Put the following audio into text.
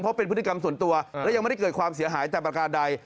เพราะเป็นพฤติกรรมส่วนตัวและยังไม่ได้เกิดความเสียหายแต่ประการใด